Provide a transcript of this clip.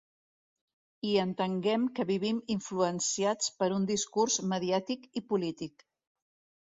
I entenguem que vivim influenciats per un discurs mediàtic i polític.